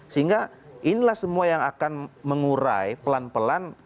sehingga inilah semua yang akan mengurai pelan pelan